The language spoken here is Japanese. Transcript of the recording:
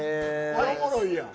これおもろいやん。